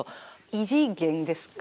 異次元ですか？